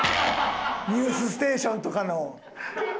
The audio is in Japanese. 『ニュースステーション』とかの。